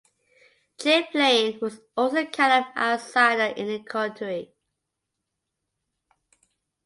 Chapelain was also a kind of outsider in the coterie.